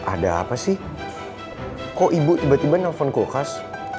ada apa sih kok ibu tiba tiba nelfon kulkas